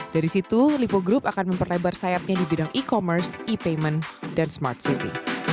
dari situ lipo group akan memperlebar sayapnya di bidang e commerce e payment dan smart city